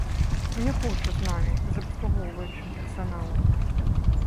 Не хоча з намі, з абслугоўваючым персаналам.